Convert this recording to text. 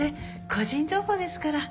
個人情報ですから。